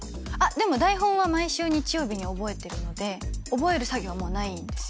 でも台本は毎週日曜日に覚えてるので、覚える作業はもうないんですよ。